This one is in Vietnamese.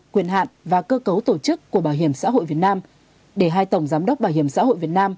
quyền hạn và cơ cấu tổ chức của bảo hiểm xã hội việt nam để hai tổng giám đốc bảo hiểm xã hội việt nam